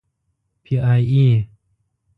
پی ای اې.